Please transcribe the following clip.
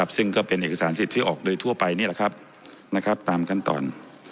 ซึ่งก็เป็นเอกสารสิทธิ์ที่ออกโดยทั่วไปนี่แหละครับตามขั้นตอน